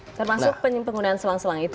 termasuk penggunaan selang selang itu